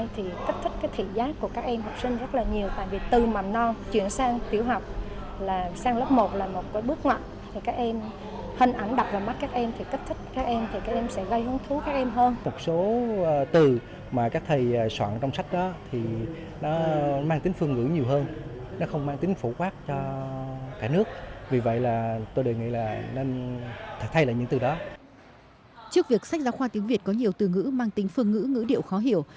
trước việc sách giáo khoa tiếng việt có nhiều từ ngữ mang tính phương ngữ ngữ điệu khó hiểu